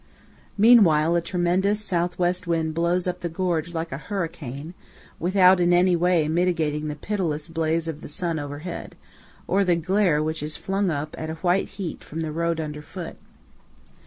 Meanwhile a tremendous South West wind blows up the gorge like a hurricane, without in any way mitigating the pitiless blaze of the sun overhead, or the glare which is flung up at a white heat from the road underfoot.